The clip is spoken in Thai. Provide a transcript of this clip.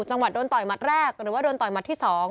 จังหวัดโดนต่อยหมัดแรกหรือว่าโดนต่อยหมัดที่๒